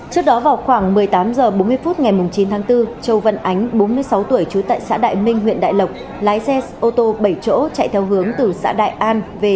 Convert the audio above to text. trước đó vào khoảng một mươi tám h bốn mươi phút ngày chín tháng bốn châu văn ánh bốn mươi sáu tuổi trú tại xã đại minh huyện đại lộc lái xe ô tô bảy chỗ chạy theo hướng từ xã đại an về